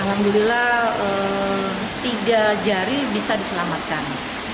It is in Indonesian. alhamdulillah tiga jari bisa diselamatkan